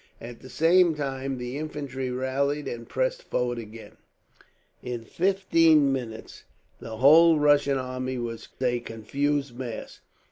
At the same time the infantry rallied and pressed forward again. In fifteen minutes the whole Russian army was a confused mass.